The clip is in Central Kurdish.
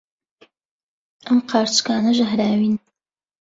ئەم قارچکانە ژەهراوین.